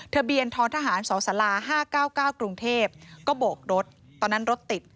ทะเบียนท้อทหารสศ๕๙๙กรุงเทพก็โบกรถตอนนั้นรถติด